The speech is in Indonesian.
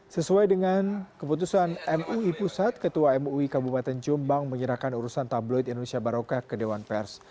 sesuai dengan keputusan mui pusat ketua mui kabupaten jombang menyerahkan urusan tabloid indonesia barokah ke dewan pers